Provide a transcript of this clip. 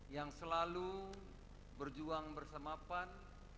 yang selalu berjuang bersamapan